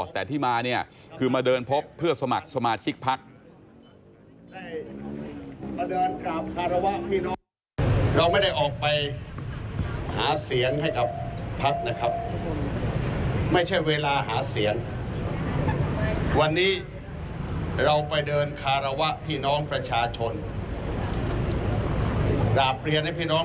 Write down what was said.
แต่ที่มาคือมาเดินพบเพื่อสมัครสมาชิกภักดิ์